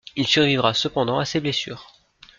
Il survivra cependant à ses blessures.